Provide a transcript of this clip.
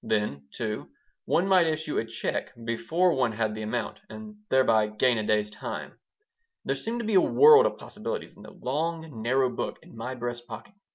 Then, too, one might issue a check before one had the amount and thereby gain a day's time. There seemed to be a world of possibilities in the long, narrow book in my breast pocket.